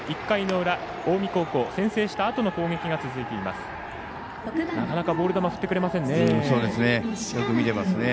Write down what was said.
１回の裏、近江高校先制したあとの攻撃が続いています。